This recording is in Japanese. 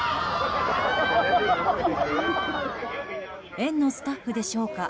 園のスタッフでしょうか